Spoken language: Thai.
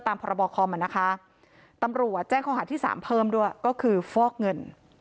พรบคอมอ่ะนะคะตำรวจแจ้งข้อหาที่สามเพิ่มด้วยก็คือฟอกเงิน